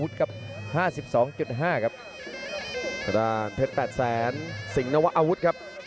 ทางด้านเพชรแปดแสนสิงหนวะอาวุธครับ